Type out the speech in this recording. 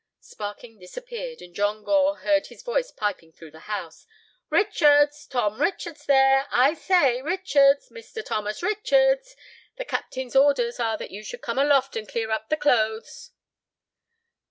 Sparkin disappeared, and John Gore heard his voice piping through the house. "Richards—Tom Richards there! I say Richards—Mr. Thomas Richards, the captain's orders are that you are to come aloft and clear up the clothes."